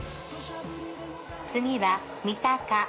次は三鷹。